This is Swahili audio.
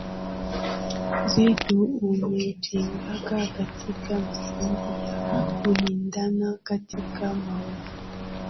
zetu umejengeka katika misingi ya kulindana katika maovu